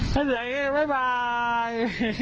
บ๊ายบาย